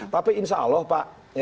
tapi insya allah pak